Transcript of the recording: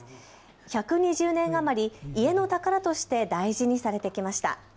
１２０年余り、家の宝として大事にされてきました。